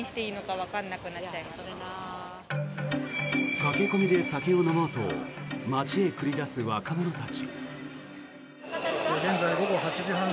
駆け込みで酒を飲もうと街へ繰り出す若者たち。